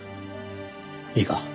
いいか